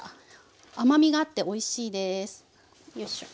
甘みがあっておいしいですよいしょ。